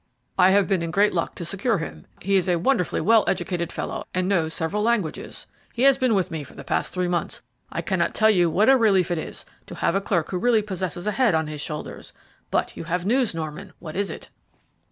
"I have been in great luck to secure him. He is a wonderfully well educated fellow and knows several languages. He has been with me for the last three months. I cannot tell you what a relief it is to have a clerk who really possesses a head on his shoulders. But you have news, Norman; what is it?"